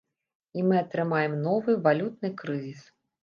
І мы атрымаем новы валютны крызіс.